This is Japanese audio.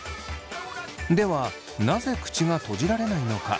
ではなぜ口が閉じられないのか。